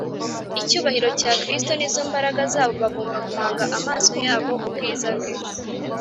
icyubahiro cya kristo ni zo mbaraga zabo bagomba guhanga amaso yabo ubwiza bwe